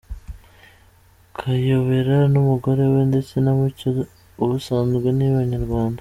Kayobera n’umugore we ndetse na Mucyo ubusanzwe ni abanyarwanda.